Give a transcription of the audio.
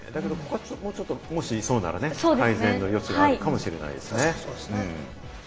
もうちょっと、もしそうならね、改善の余地があるかもしれないですね。